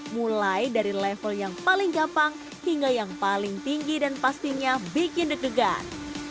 mulai dari level yang paling gampang hingga yang paling tinggi dan pastinya bikin deg degan